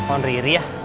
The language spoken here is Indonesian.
tepang riri ya